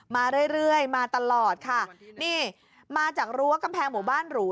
มาเรื่อยเรื่อยมาตลอดค่ะนี่มาจากรั้วกำแพงหมู่บ้านหรู